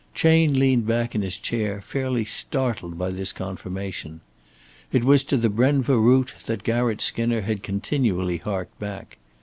Chayne leaned back in his chair fairly startled by this confirmation. It was to the Brenva route that Garratt Skinner had continually harked back.